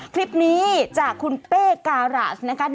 คลิปนี้จากคุณเป้การาสนะคะ